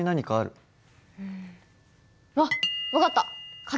うんあっ分かった！